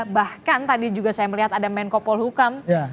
bahkan tadi juga saya melihat ada menko polhukam